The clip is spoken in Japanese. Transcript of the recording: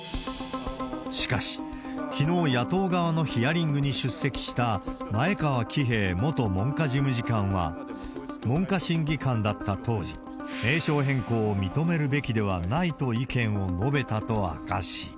しかしきのう、野党側のヒアリングに出席した前川喜平元文科事務次官は、文科審議官だった当時、名称変更を認めるべきではないと意見を述べたと明かし。